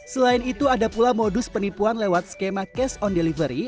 selain itu ada pula modus penipuan lewat skema cash on delivery